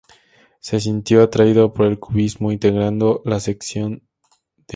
Se sintió atraído por el Cubismo, integrando la Section d'Or.